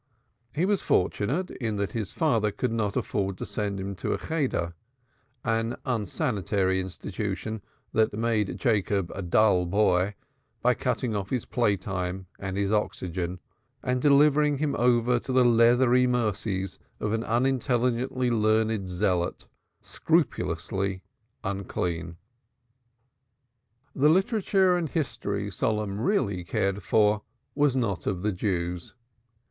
He was fortunate in that his father could not afford to send him to a Chedar, an insanitary institution that made Jacob a dull boy by cutting off his play time and his oxygen, and delivering him over to the leathery mercies of an unintelligently learned zealot, scrupulously unclean. The literature and history Solomon really cared for was not of the Jews.